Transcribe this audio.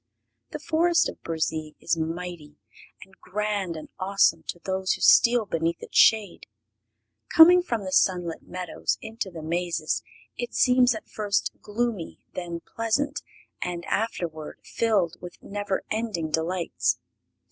The Forest of Burzee is mighty and grand and awesome to those who steal beneath its shade. Coming from the sunlit meadows into its mazes it seems at first gloomy, then pleasant, and afterward filled with never ending delights.